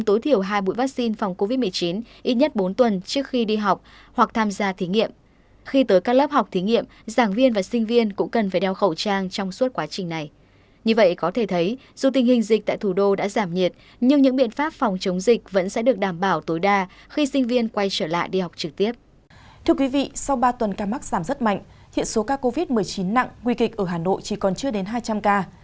thưa quý vị sau ba tuần ca mắc giảm rất mạnh hiện số ca covid một mươi chín nặng nguy kịch ở hà nội chỉ còn chưa đến hai trăm linh ca